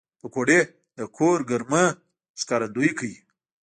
پکورې د کور ګرمۍ ښکارندويي کوي